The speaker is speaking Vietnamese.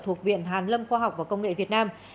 thuộc viện hàn lâm khoa học và công nghệ việt nam